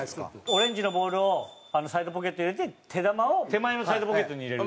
オレンジのボールをサイドポケットに入れて手球を手前のサイドポケットに入れる。